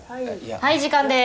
はい時間です。